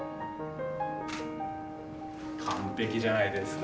完璧じゃないですか。